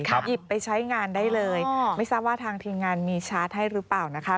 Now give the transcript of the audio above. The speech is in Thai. หยิบไปใช้งานได้เลยไม่ทราบว่าทางทีมงานมีชาร์จให้หรือเปล่านะคะ